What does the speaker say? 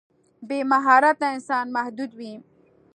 بې مهارته انسان محدود وي.